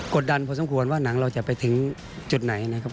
ดดันพอสมควรว่าหนังเราจะไปถึงจุดไหนนะครับ